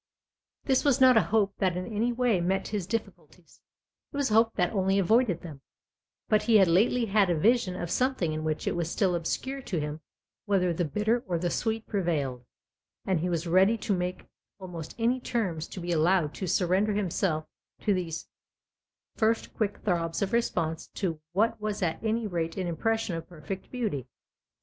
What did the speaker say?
This was not a hope that in any way met his difficulties it was a hope that only avoided them ; but he had lately had a vision of something in which it was still obscure to him whether the bitter or the sweet prevailed, and he was ready to make almost any terms to be allowed to surrender himself to these first quick throbs of response to what was at any rate an impression of perfect beauty.